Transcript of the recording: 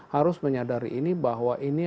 harus menyadari ini bahwa ini